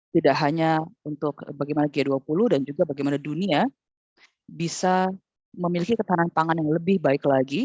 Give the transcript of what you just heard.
tidak hanya untuk bagaimana g dua puluh dan juga bagaimana dunia bisa memiliki ketahanan pangan yang lebih baik lagi